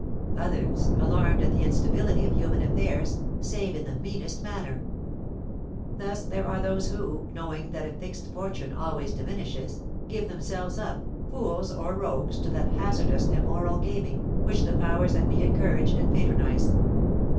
Others, alarmed at the instability of human affairs, save in the meanest manner. Thus there are those who, knowing that a fixed fortune always diminishes, give themselves up, fools or rogues, to that hazardous, immoral gaming, which the powers that be encourage and patronise.